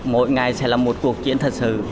mỗi ngày sẽ là một cuộc chuyện thật sự